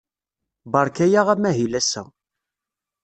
Beṛka-aɣ amahil ass-a.